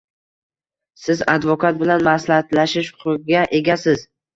«Siz advokat bilan maslahatlashish huquqiga egasiz.